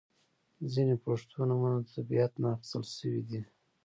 • ځینې پښتو نومونه د طبیعت نه اخستل شوي دي.